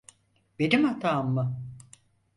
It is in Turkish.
Benim hatam mı?